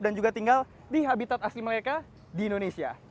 dan juga tinggal di habitat asli mereka di indonesia